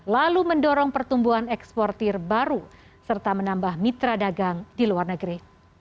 lalu mendorong pertumbuhan eksportir baru serta menambah mitra dagang di luar negeri